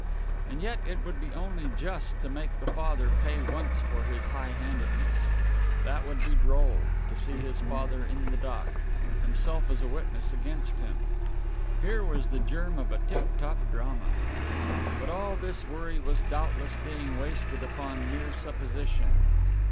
And yet it would be only just to make the father pay once for his high handedness. That would be droll to see his father in the dock, himself as a witness against him! Here was the germ of a tiptop drama. But all this worry was doubtless being wasted upon mere supposition.